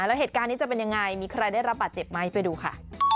แล้วเหตุการณ์นี้จะเป็นยังไงมีใครได้รับบาดเจ็บไหมไปดูค่ะ